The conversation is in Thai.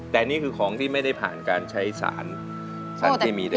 แต่นี่คือของที่ไม่ได้ผ่านการใช้สารสารเคมี